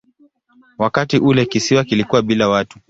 Wakati ule kisiwa kilikuwa bila watu.